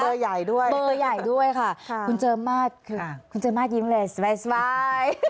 สู้กับเบอร์ใหญ่ด้วยค่ะคุณเจิญมากยิ้มเลยสบาย